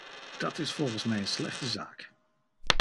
Dat is volgens mij een slechte zaak!